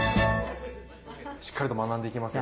しっかりと学んでいきますよ。